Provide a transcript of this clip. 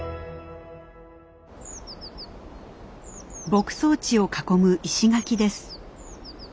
牧草地を囲む石垣です。